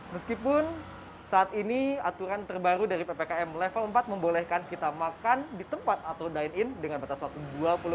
meskipun saat ini aturan terbaru dari ppkm level empat membolehkan kita makan di tempat atau dine in dengan batas waktu